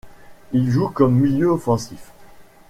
Il joue comme milieu offensif.